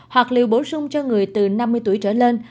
hoặc liều bổ sung cho người từ năm mươi tuổi trở lên